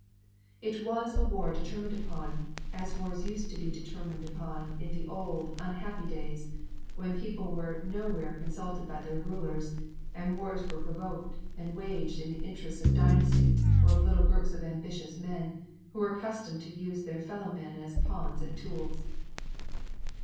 It was a war determined upon as wars used to be determined upon in the old, unhappy days when peoples were nowhere consulted by their rulers and wars were provoked and waged in the interest of dynasties or of little groups of ambitious men who were accustomed to use their fellow men as pawns and tools.